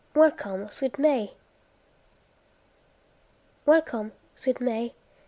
Welcome, sweet May! Welcome, sweet May!